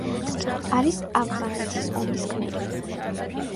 არის ავღანეთის ომის გმირი.